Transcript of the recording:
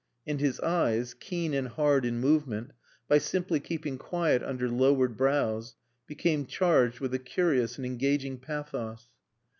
And his eyes, keen and hard in movement, by simply keeping quiet under lowered brows, became charged with a curious and engaging pathos.